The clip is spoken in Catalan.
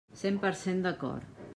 Cent per cent d'acord.